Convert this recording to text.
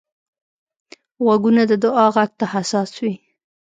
غوږونه د دعا غږ ته حساس وي